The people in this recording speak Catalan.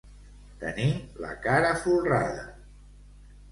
Tenir la cara folrada.